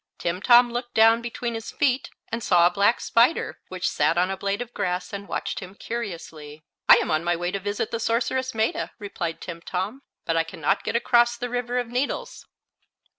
Timtom looked down between his feet and saw a black spider, which sat on a blade of grass and watched him curiously. "I am on my way to visit the sorceress Maetta," replied Timtom; "But I can not get across the River of Needles."